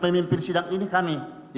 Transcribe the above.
pemimpin sidang ini kami